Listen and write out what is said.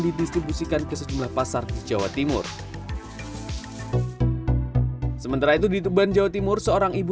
didistribusikan ke sejumlah pasar di jawa timur sementara itu di tuban jawa timur seorang ibu